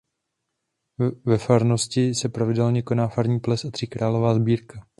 Ve farnosti se pravidelně koná farní ples a tříkrálová sbírka.